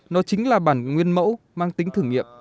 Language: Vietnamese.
nó chính là bản nguyên mẫu mang tính thử nghiệm